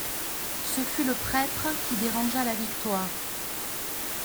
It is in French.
Ce fut le prêtre qui dérangea la victoire.